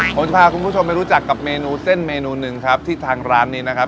ผมพาคุณผู้ชมไปรู้จักกับเมนูเส้นเมนูหนึ่งครับที่ทางร้านนี้นะครับ